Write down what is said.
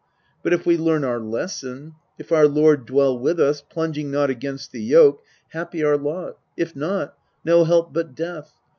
But if we learn our lesson, if our lord Dwell with us, plunging not against the yoke, Happy our lot: if not no help but death.